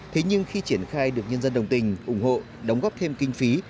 thế nhưng khi triển khai được nhân dân đồng tình ủng hộ đóng góp thêm kinh phí